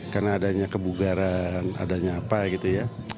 karena adanya kebugaran adanya apa gitu ya